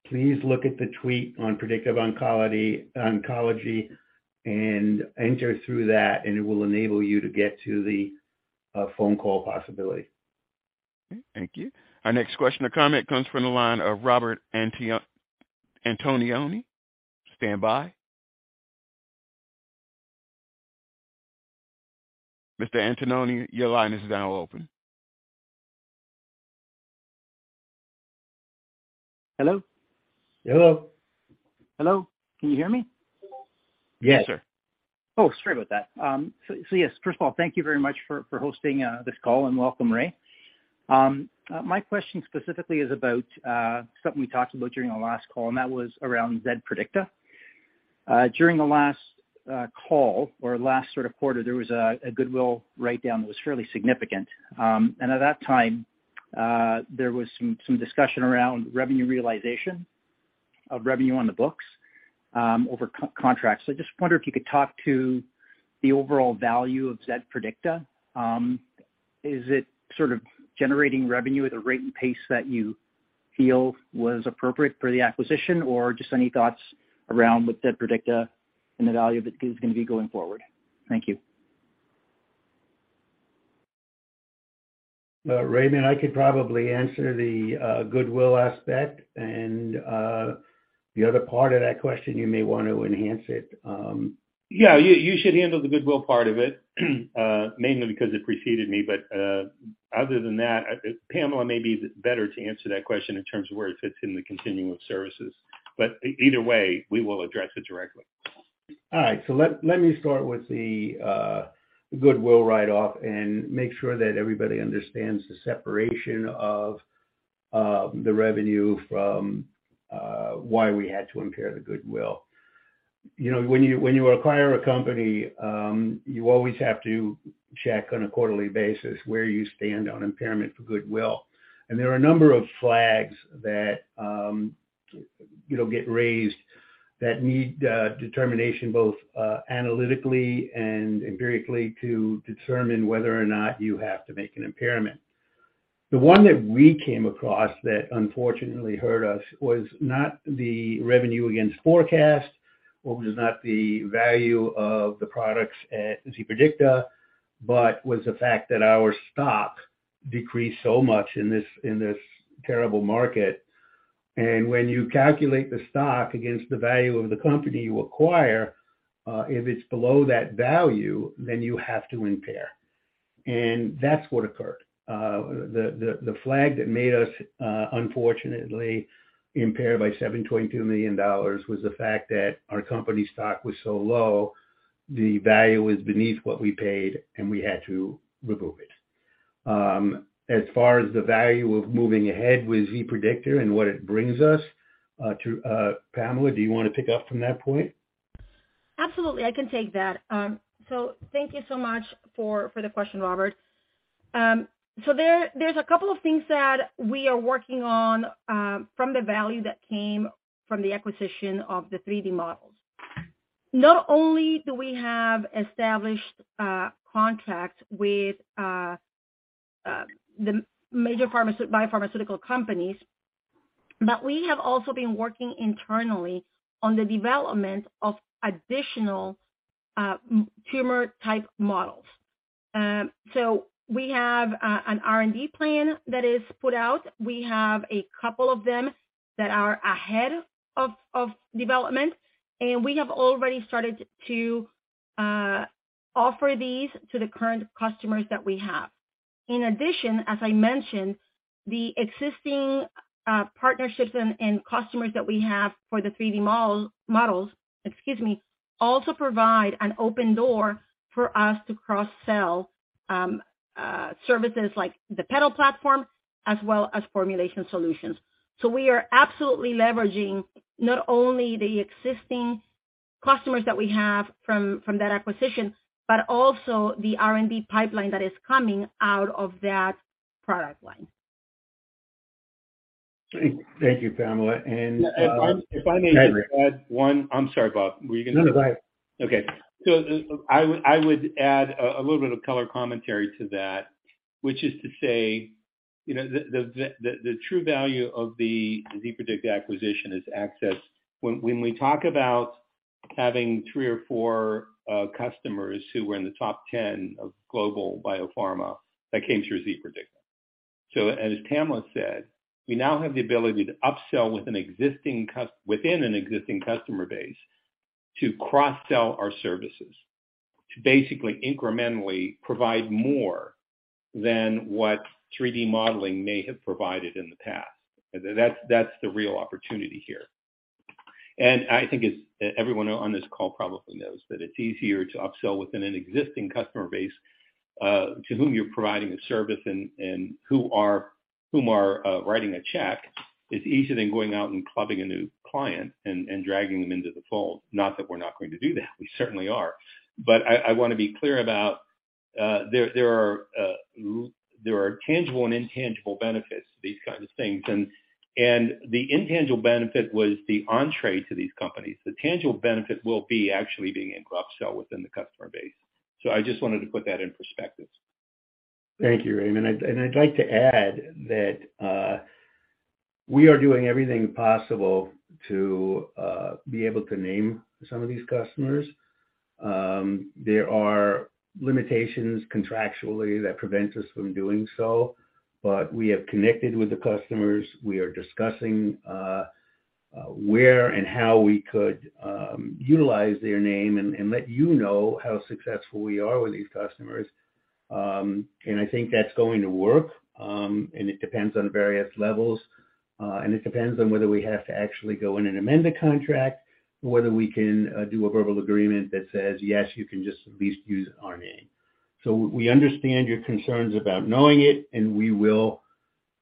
please look at the tweet on Predictive Oncology and enter through that, and it will enable you to get to the phone call possibility. Okay. Thank you. Our next question or comment comes from the line of Robert Antonioni. Standby. Mr. Antonioni, your line is now open. Hello? Hello. Hello? Can you hear me? Yes, sir. Oh, sorry about that. Yes. First of all, thank you very much for hosting this call and welcome, Ray. My question specifically is about something we talked about during our last call, and that was around zPREDICTA. During the last call or last sort of quarter, there was a goodwill write-down that was fairly significant. At that time, there was some discussion around revenue realization of revenue on the books over the contracts. I just wonder if you could talk to the overall value of zPREDICTA. Is it sort of generating revenue at a rate and pace that you feel was appropriate for the acquisition? Just any thoughts around what zPREDICTA and the value of it is gonna be going forward? Thank you. Raymond, I could probably answer the goodwill aspect and the other part of that question. You may want to enhance it. Yeah. You should handle the goodwill part of it, mainly because it preceded me. Other than that, Pamela may be better to answer that question in terms of where it fits in the continuum of services. Either way, we will address it directly. All right. Let me start with the goodwill write-off and make sure that everybody understands the separation of the revenue from why we had to impair the goodwill. You know, when you acquire a company, you always have to check on a quarterly basis where you stand on impairment for goodwill. There are a number of flags that you know get raised that need determination both analytically and empirically to determine whether or not you have to make an impairment. The one that we came across that unfortunately hurt us was not the revenue against forecast. It was not the value of the products at zPREDICTA, but was the fact that our stock decreased so much in this terrible market. When you calculate the stock against the value of the company you acquire, if it's below that value, then you have to impair. That's what occurred. The flag that made us unfortunately impair by $7.22 million was the fact that our company stock was so low. The value is beneath what we paid, and we had to remove it. As far as the value of moving ahead with zPREDICTA and what it brings us, to Pamela, do you wanna pick up from that point? Absolutely, I can take that. Thank you so much for the question, Robert. There's a couple of things that we are working on from the value that came from the acquisition of the 3D models. Not only do we have established contracts with the major biopharmaceutical companies, but we have also been working internally on the development of additional tumor type models. We have an R&D plan that is put out. We have a couple of them that are ahead of development, and we have already started to offer these to the current customers that we have. In addition, as I mentioned, the existing partnerships and customers that we have for the 3D models also provide an open door for us to cross-sell services like the PEDAL platform, as well as formulation solutions. We are absolutely leveraging not only the existing customers that we have from that acquisition but also the R&D pipeline that is coming out of that product line. Thank you, Pamela. I'm sorry, Bob. Were you gonna No, no, go ahead. I would add a little bit of color commentary to that, which is to say, you know, the true value of the zPREDICTA acquisition is access. When we talk about having three or four customers who were in the top 10 of global biopharma, that came through zPREDICTA. As Pamela said, we now have the ability to upsell within an existing customer base to cross-sell our services, to basically incrementally provide more than what 3D modeling may have provided in the past. That's the real opportunity here. I think as everyone on this call probably knows that it's easier to upsell within an existing customer base to whom you're providing a service and who are writing a check. It's easier than going out and clubbing a new client and dragging them into the fold. Not that we're not going to do that. We certainly are. I wanna be clear about there are tangible and intangible benefits to these kinds of things. The intangible benefit was the entrée to these companies. The tangible benefit will be actually being able to upsell within the customer base. I just wanted to put that in perspective. Thank you, Raymond. I'd like to add that we are doing everything possible to be able to name some of these customers. There are limitations contractually that prevents us from doing so, but we have connected with the customers. We are discussing where and how we could utilize their name and let you know how successful we are with these customers. I think that's going to work, and it depends on various levels. It depends on whether we have to actually go in and amend the contract or whether we can do a verbal agreement that says, "Yes, you can just at least use our name." We understand your concerns about knowing it, and we will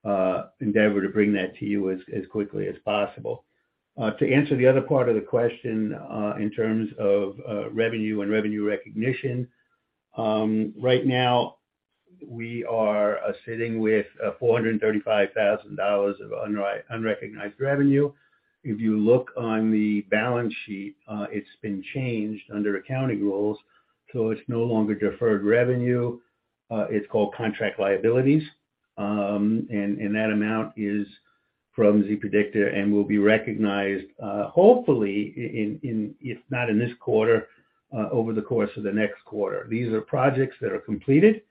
endeavor to bring that to you as quickly as possible. To answer the other part of the question, in terms of revenue and revenue recognition, right now we are sitting with $435,000 of unrecognized revenue. If you look on the balance sheet, it's been changed under accounting rules, so it's no longer deferred revenue. It's called contract liabilities. That amount is from zPREDICTA and will be recognized, hopefully in, if not in this quarter, over the course of the next quarter. These are projects that are completed,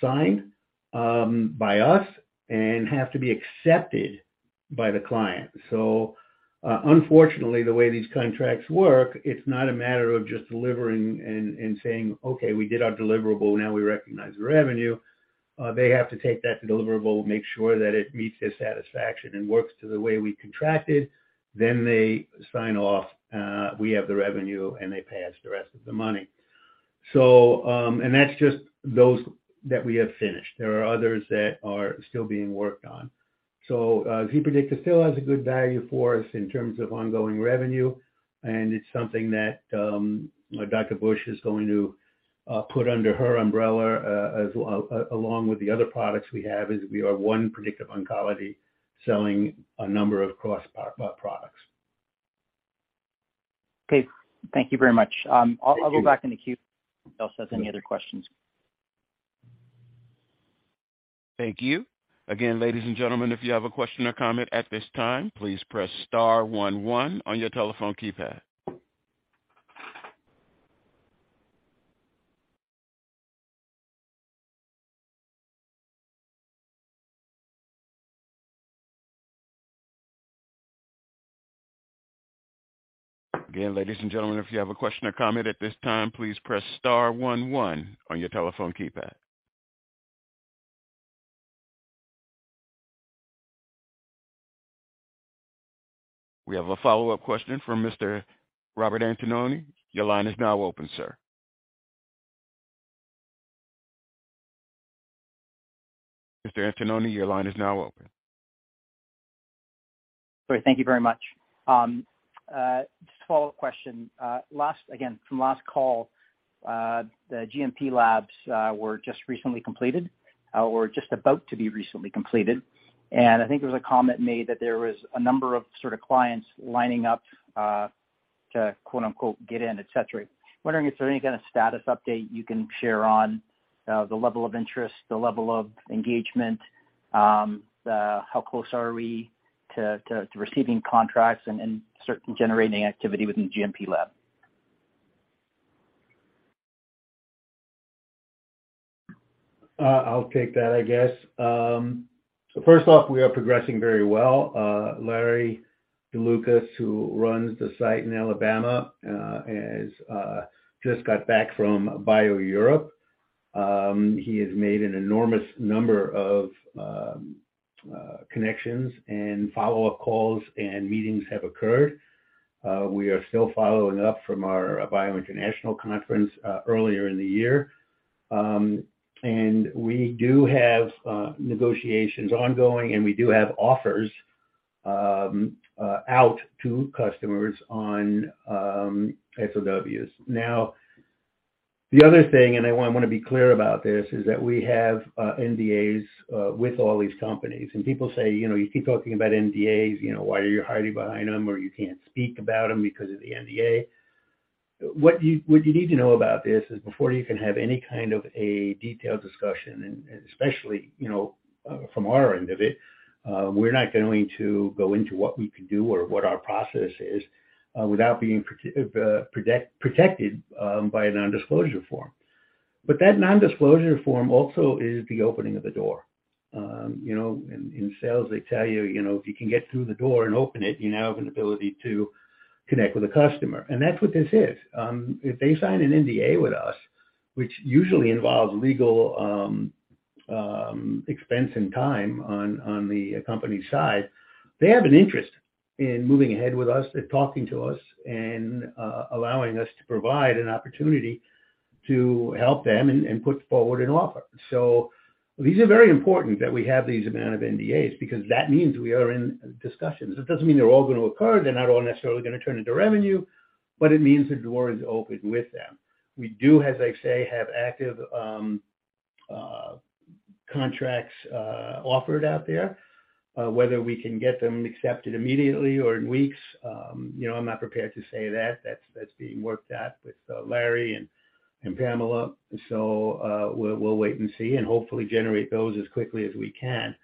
signed by us and have to be accepted by the client. Unfortunately, the way these contracts work, it's not a matter of just delivering and saying, "Okay, we did our deliverable, now we recognize the revenue." They have to take that deliverable, make sure that it meets their satisfaction and works to the way we contracted. They sign off, we have the revenue, and they pay us the rest of the money. That's just those that we have finished. There are others that are still being worked on. zPREDICTA still has a good value for us in terms of ongoing revenue, and it's something that, you know, Dr. Bush is going to put under her umbrella, as along with the other products we have, as we are one Predictive Oncology selling a number of cross pro-products. Okay. Thank you very much. Thank you. I'll go back in the queue if anyone else has any other questions. Thank you. Again, ladies and gentlemen, if you have a question or comment at this time, please press star one one on your telephone keypad. Again, ladies and gentlemen, if you have a question or comment at this time, please press star one one on your telephone keypad. We have a follow-up question from Mr. Robert Antonioni. Your line is now open, sir. Mr. Antonioni, your line is now open. Sorry, thank you very much. Just a follow-up question. Last, again, from last call, the GMP labs were just recently completed or just about to be recently completed. I think there was a comment made that there was a number of sort of clients lining up to quote-unquote get in, et cetera. I'm wondering if there are any kind of status update you can share on the level of interest, the level of engagement, the how close are we to receiving contracts and start generating activity within the GMP lab? I'll take that, I guess. First off, we are progressing very well. Larry DeLucas, who runs the site in Alabama, has just got back from BIO-Europe. He has made an enormous number of connections, and follow-up calls and meetings have occurred. We are still following up from our BIO International Convention earlier in the year. We do have negotiations ongoing, and we do have offers out to customers on SOWs. Now, the other thing, and I wanna be clear about this, is that we have NDAs with all these companies. People say, you know, "You keep talking about NDAs, you know, why are you hiding behind them?" Or, "You can't speak about them because of the NDA." What you need to know about this is before you can have any kind of a detailed discussion, and especially, you know, from our end of it, we're not going to go into what we can do or what our process is, without being protected by a non-disclosure form. That non-disclosure form also is the opening of the door. You know, in sales, they tell you know, if you can get through the door and open it, you now have an ability to connect with a customer. That's what this is. If they sign an NDA with us, which usually involves legal expense and time on the company side, they have an interest in moving ahead with us. They're talking to us and allowing us to provide an opportunity to help them and put forward an offer. These are very important that we have these amount of NDAs because that means we are in discussions. It doesn't mean they're all gonna occur. They're not all necessarily gonna turn into revenue, but it means the door is open with them. We do, as I say, have active contracts offered out there. Whether we can get them accepted immediately or in weeks, you know, I'm not prepared to say that. That's being worked at with Larry and Pamela. We'll wait and see and hopefully generate those as quickly as we can.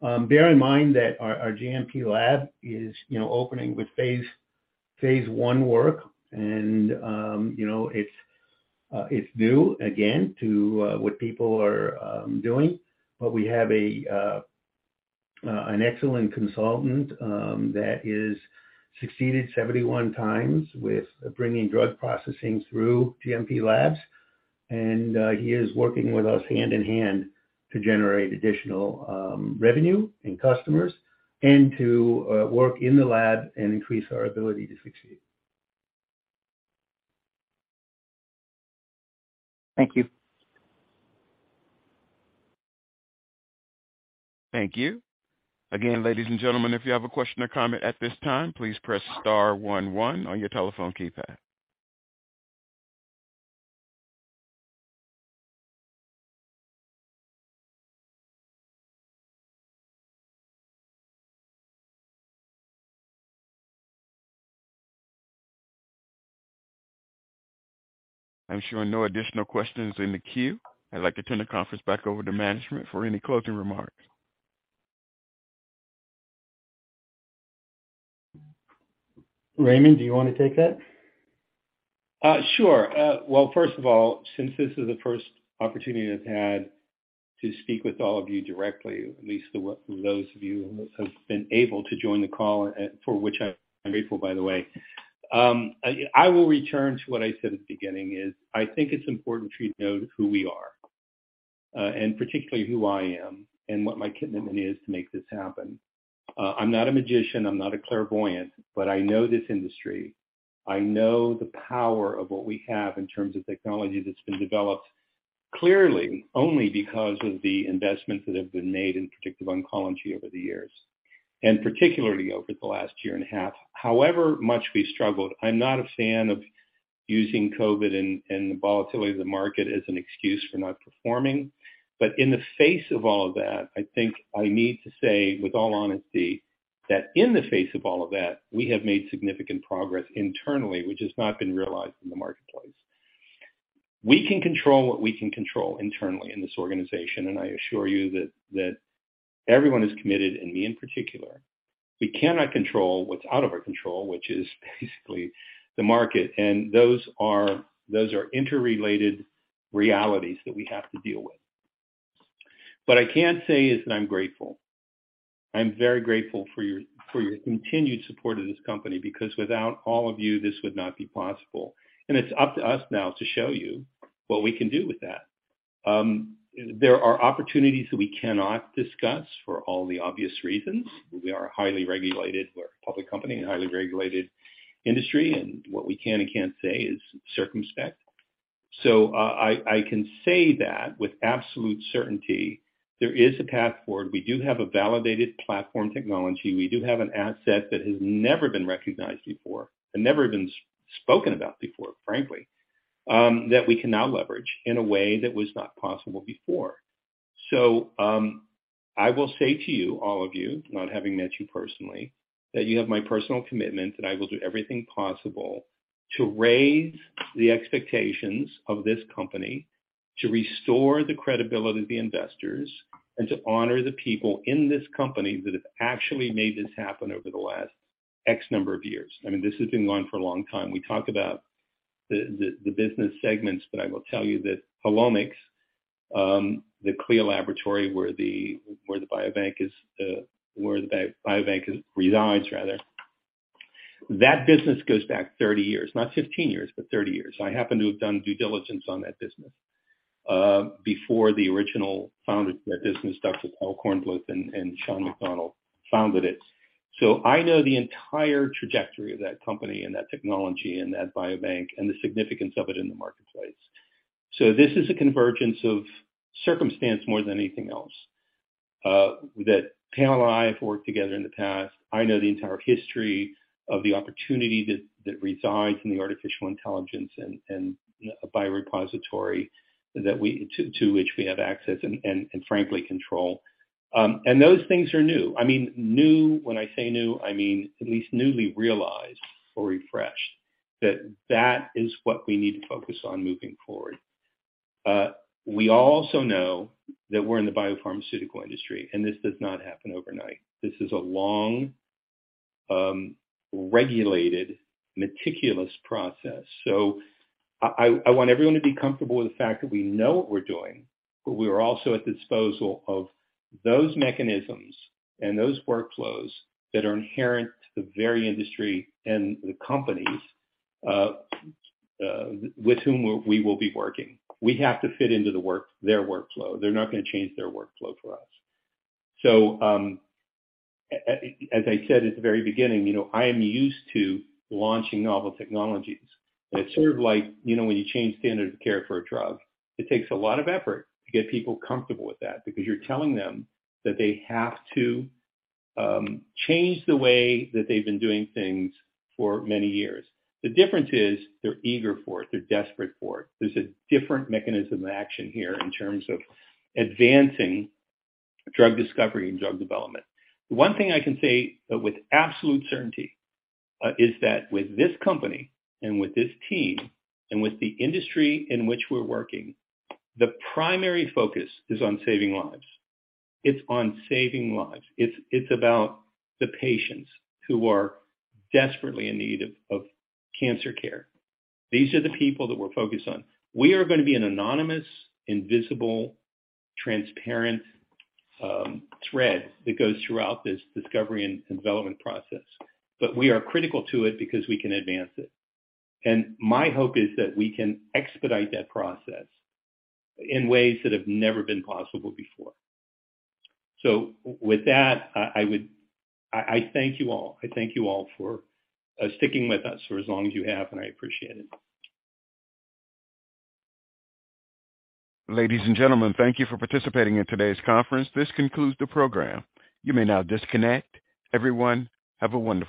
Bear in mind that our GMP lab is, you know, opening with phase I work and, you know, it's new again to what people are doing. We have an excellent consultant that has succeeded 71x with bringing drug processing through GMP labs. He is working with us hand in hand to generate additional revenue and customers and to work in the lab and increase our ability to succeed. Thank you. Thank you. Again, ladies and gentlemen, if you have a question or comment at this time, please press star one one on your telephone keypad. I'm showing no additional questions in the queue. I'd like to turn the conference back over to management for any closing remarks. Raymond, do you wanna take that? Sure. Well, first of all, since this is the first opportunity I've had to speak with all of you directly, at least those of you who have been able to join the call, and for which I'm grateful, by the way. I will return to what I said at the beginning is I think it's important for you to know who we are, and particularly who I am and what my commitment is to make this happen. I'm not a magician, I'm not a clairvoyant, but I know this industry. I know the power of what we have in terms of technology that's been developed clearly only because of the investments that have been made in Predictive Oncology over the years, and particularly over the last year and a half. However much we struggled, I'm not a fan of using COVID and the volatility of the market as an excuse for not performing. In the face of all of that, I think I need to say with all honesty that in the face of all of that, we have made significant progress internally, which has not been realized in the marketplace. We can control what we can control internally in this organization, and I assure you that everyone is committed, and me in particular. We cannot control what's out of our control, which is basically the market, and those are interrelated realities that we have to deal with. What I can say is that I'm grateful. I'm very grateful for your continued support of this company, because without all of you, this would not be possible. It's up to us now to show you what we can do with that. There are opportunities that we cannot discuss for all the obvious reasons. We are highly regulated. We're a public company in a highly regulated industry, and what we can and can't say is circumspect. I can say that with absolute certainty, there is a path forward. We do have a validated platform technology. We do have an asset that has never been recognized before and never been spoken about before, frankly, that we can now leverage in a way that was not possible before. I will say to you, all of you, not having met you personally, that you have my personal commitment that I will do everything possible to raise the expectations of this company, to restore the credibility of the investors, and to honor the people in this company that have actually made this happen over the last X number of years. I mean, this has been going for a long time. We talk about the business segments, but I will tell you that Helomics, the CLIA laboratory where the biobank resides, rather, that business goes back 30 years. Not 15 years, but 30 years. I happen to have done due diligence on that business before the original founders of that business, Doctors Paul Kornblith and Sean McDonald, founded it. I know the entire trajectory of that company and that technology and that biobank and the significance of it in the marketplace. This is a convergence of circumstance more than anything else, that Pam and I have worked together in the past. I know the entire history of the opportunity that resides in the artificial intelligence and biorepository to which we have access and frankly control. And those things are new. I mean, new, when I say new, I mean at least newly realized or refreshed. That is what we need to focus on moving forward. We also know that we're in the biopharmaceutical industry, and this does not happen overnight. This is a long, regulated, meticulous process. I want everyone to be comfortable with the fact that we know what we're doing, but we're also at the disposal of those mechanisms and those workflows that are inherent to the very industry and the companies with whom we will be working. We have to fit into their workflow. They're not gonna change their workflow for us. As I said at the very beginning, you know, I am used to launching novel technologies. It's sort of like, you know, when you change standard of care for a drug, it takes a lot of effort to get people comfortable with that because you're telling them that they have to change the way that they've been doing things for many years. The difference is they're eager for it. They're desperate for it. There's a different mechanism of action here in terms of advancing drug discovery and drug development. The one thing I can say with absolute certainty is that with this company and with this team and with the industry in which we're working, the primary focus is on saving lives. It's on saving lives. It's about the patients who are desperately in need of cancer care. These are the people that we're focused on. We are gonna be an anonymous, invisible, transparent thread that goes throughout this discovery and development process. But we are critical to it because we can advance it. My hope is that we can expedite that process in ways that have never been possible before. With that, I thank you all. I thank you all for sticking with us for as long as you have, and I appreciate it. Ladies and gentlemen, thank you for participating in today's conference. This concludes the program. You may now disconnect. Everyone, have a wonderful day.